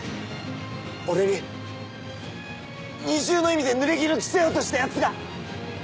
俺に二重の意味でぬれぎぬ着せようとした奴が！